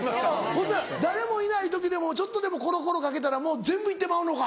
ほんなら誰もいない時でもちょっとでもコロコロかけたらもう全部行ってまうのか。